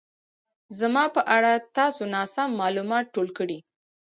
زما په اړه تاسو ناسم مالومات ټول کړي